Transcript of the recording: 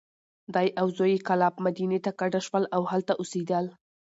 دی او زوی یې کلاب، مدینې ته کډه شول. او هلته اوسېدل.